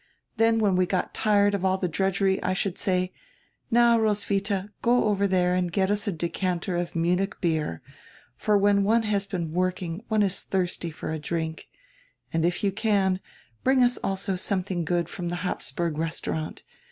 Then when we got tired of all the drudgery I should say: 'Now, Ros witha, go over there and get us a decanter of Munich beer, for when one has been working one is thirsty for a drink, and, if you can, bring us also something good from the Habsburg Restaurant.